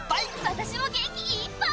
私も元気いっぱい！